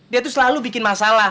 dia tuh selalu bikin masalah